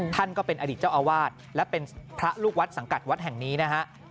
ท่านก็เป็นอดีตเจ้าอาวาสและเป็นพระลูกวัดสังกัดวัดแห่งนี้นะฮะ